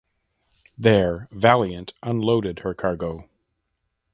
There "Valiant" unloaded her cargo.